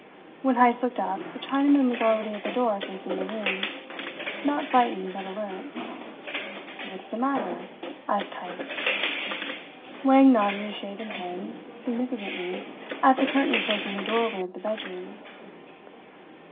When Heyst looked up, the Chinaman was already at the door facing the room, not frightened, but alert. "What's the matter?" asked Heyst. Wang nodded his shaven head significantly at the curtain closing the doorway of the bedroom.